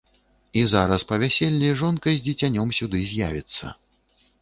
І зараз па вяселлі жонка з дзіцянём сюды з'явіцца.